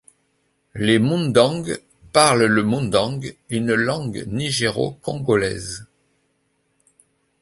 Les Moundang parlent le moundang, une langue nigéro-congolaise.